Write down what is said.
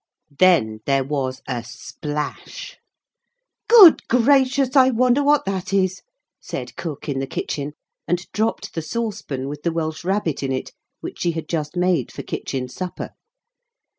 Then there was a splash. 'Good gracious! I wonder what that is?' said cook in the kitchen, and dropped the saucepan with the welsh rabbit in it which she had just made for kitchen supper.